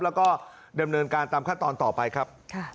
แล้วก็ดำเนินการตามขั้นตอนต่อไปครับ